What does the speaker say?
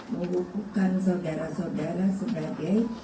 mengukuhkan saudara saudara sebagai